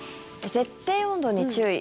設定温度に注意。